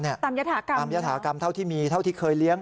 ตามยฐากรรมตามยฐากรรมเท่าที่มีเท่าที่เคยเลี้ยง